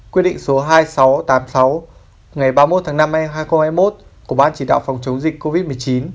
quyết định số hai nghìn sáu trăm tám mươi sáu ngày ba mươi một tháng năm hai nghìn hai mươi một của ban chỉ đạo phòng chống dịch covid một mươi chín